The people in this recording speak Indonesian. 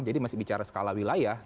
jadi masih bicara skala wilayah